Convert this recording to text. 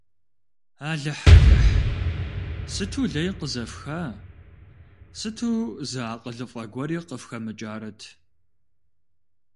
Алыхь-Алыхь, сыту лей къызэфха, сыту зы акъылыфӀэ гуэри къыфхэмыкӀарэт.